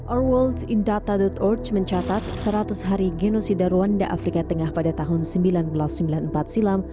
our worlds in data org mencatat seratus hari genosida ruanda afrika tengah pada tahun seribu sembilan ratus sembilan puluh empat silam